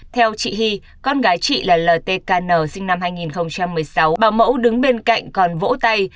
theo chị hy con gái chị là l t k n sinh năm hai nghìn một mươi sáu bảo mẫu đứng bên cạnh còn vỗ tay